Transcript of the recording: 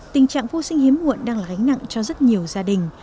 tình trạng vô sinh hiếm muộn đang là gánh nặng cho rất nhiều gia đình